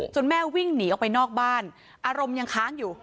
แม่วิ่งหนีออกไปนอกบ้านอารมณ์ยังค้างอยู่